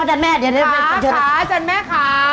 ขาขาอาจารย์แม่ขา